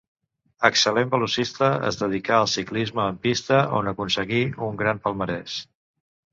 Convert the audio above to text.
Excel·lent velocista, es dedicà al ciclisme en pista, on aconseguí un gran palmarès.